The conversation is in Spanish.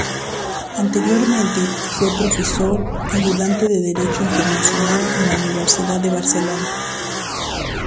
Anteriormente fue profesor ayudante de derecho Internacional en la Universidad de Barcelona.